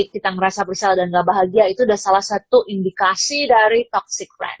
kita ngerasa bersalah dan nggak bahagia itu sudah salah satu indikasi dari toxic friend